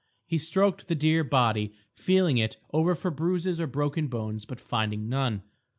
He stroked the dear body, feeling it over for bruises or broken bones, but finding none.